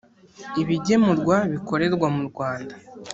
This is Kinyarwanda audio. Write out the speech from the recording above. ibigemurwa bikorerwa mu rwanda